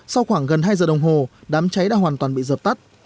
sau khoảng gần hai giờ đồng hồ đám cháy đã hoàn toàn bị dập tắt